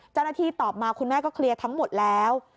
เจ้าหน้าที่ตอบมาคุณแม่ก็เคลียร์ทั้งหมดแล้ว